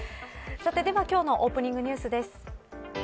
今日のオープニングニュースです。